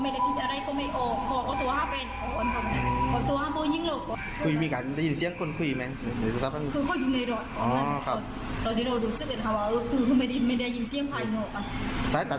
สบายมาก